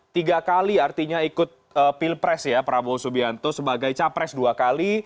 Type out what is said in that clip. tiga kali artinya ikut pilpres ya prabowo subianto sebagai capres dua kali